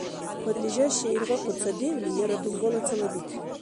Подлежащее иргъахъу ца девли яра дугьбала цалабикли.